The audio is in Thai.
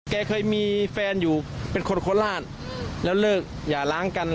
แกเคยมีแฟนอยู่เป็นคนโคราชแล้วเลิกอย่าล้างกัน